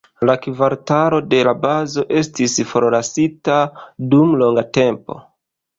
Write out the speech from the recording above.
La kvartalo de la bazo estis forlasita dum longa tempo.